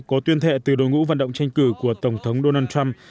có tuyên thệ từ đối ngũ vận động tranh cử của tổng thống donald trump